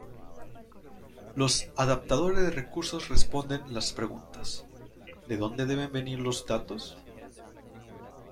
Los adaptadores de recursos responden las preguntas "¿De dónde deben venir los datos?